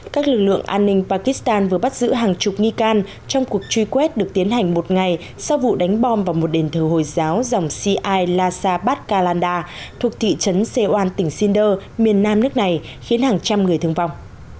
các lực lượng an ninh pakistan vừa bắt giữ hàng chục nghi can trong cuộc truy quét được tiến hành một ngày sau vụ đánh bom vào một đền thờ hồi giáo dòng ci lhasa bat kalanda thuộc thị trấn sewan tỉnh sindor miền nam nước này khiến hàng trăm người thương vong